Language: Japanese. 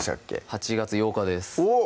８月８日ですおっ！